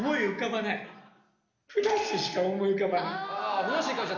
ふなっしーしか思い浮かばない。